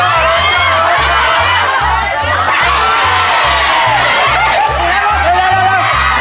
ลวิทยาลวิทยา